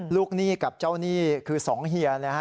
ลูกหนี้กับเจ้าหนี้คือ๒เฮียนะครับ